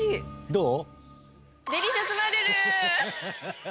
どう？